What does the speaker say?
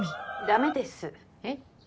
ダメです。え？